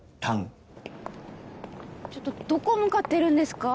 ちょっとどこ向かってるんですか？